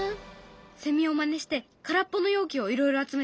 セミをまねして空っぽの容器をいろいろ集めたよ。